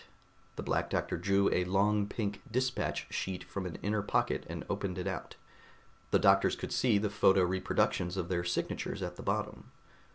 _" The Black Doctor drew a long pink dispatch sheet from an inner pocket and opened it out. The doctors could see the photo reproductions of their signatures at the bottom.